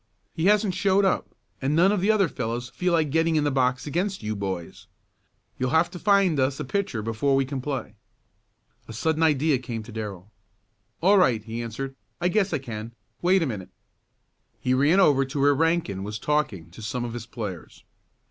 "He hasn't showed up, and none of the other fellows feel like getting in the box against you boys. You'll have to find us a pitcher before we can play." A sudden idea came to Darrell. "All right," he answered. "I guess I can. Wait a minute." He ran over to where Rankin was talking to some of his players.